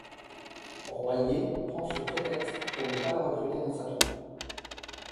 Royer prend ce prétexte pour ne pas la recruter dans sa troupe.